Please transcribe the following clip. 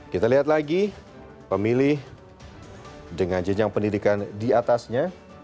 kita lihat lagi pemilih dengan jenjang pendidikan di atasnya